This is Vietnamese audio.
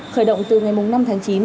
khởi động từ ngày mùng năm